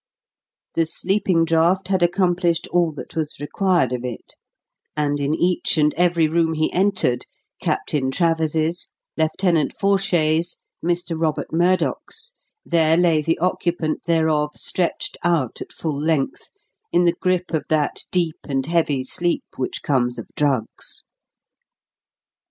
The sleeping draught had accomplished all that was required of it; and in each and every room he entered Captain Travers's, Lieutenant Forshay's, Mr. Robert Murdock's there lay the occupant thereof stretched out at full length in the grip of that deep and heavy sleep which comes of drugs.